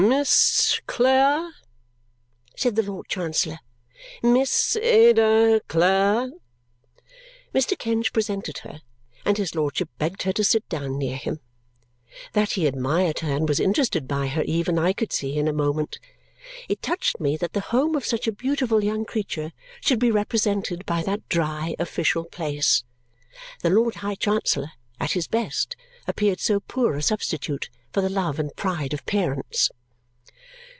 "Miss Clare," said the Lord Chancellor. "Miss Ada Clare?" Mr. Kenge presented her, and his lordship begged her to sit down near him. That he admired her and was interested by her even I could see in a moment. It touched me that the home of such a beautiful young creature should be represented by that dry, official place. The Lord High Chancellor, at his best, appeared so poor a substitute for the love and pride of parents.